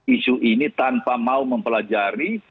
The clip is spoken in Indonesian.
isu ini tanpa mau mempelajari